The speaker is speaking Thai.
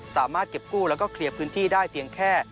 สามารถเก็บกู้แล้วก็เคลียร์พื้นที่ได้เพียงแค่